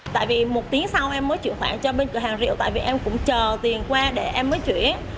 tại vì một tiếng sau em mới chuyển khoản cho bên cửa hàng rượu tại vì em cũng chờ tiền qua để em mới chuyển